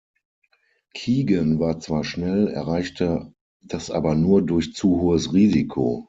Keegan war zwar schnell, erreichte das aber nur durch zu hohes Risiko.